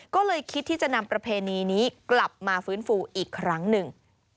ก็เลยคิดที่จะนำประเพณีนี้กลับมาฟื้นฟูอีกครั้งหนึ่ง